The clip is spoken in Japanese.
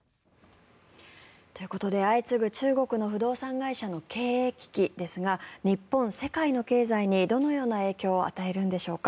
ということで相次ぐ中国の不動産会社の経営危機ですが日本、世界の経済にどのような影響を与えるのでしょうか。